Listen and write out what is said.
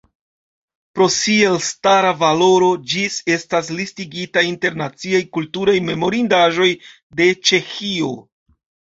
Pro sia elstara valoro ĝis estas listigita inter Naciaj kulturaj memorindaĵoj de Ĉeĥio.